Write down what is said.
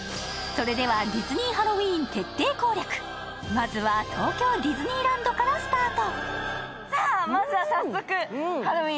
まずは東京ディズニーランドからスタート。